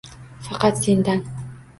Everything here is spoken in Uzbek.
Faqat sendan